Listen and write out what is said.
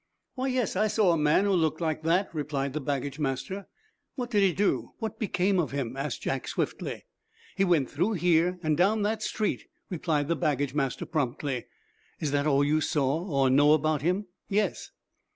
"Why, yes, I saw a man who looked like that," replied the baggage master. "What did he do! What became of him?" asked Jack, swiftly. "He went through here, and down that street," replied the baggage master promptly. "Is that all you saw, or know about him?" "Yes."